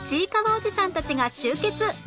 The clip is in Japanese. おじさんたちが集結